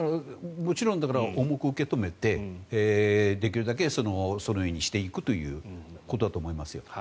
もちろん重く受け止めてできるだけそのようにしていくということだと思いますよ。